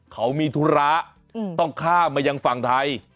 เขามีธุระต้องข้ามมายังฝั่งไทย